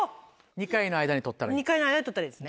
２回の間に取ったらいいんですね。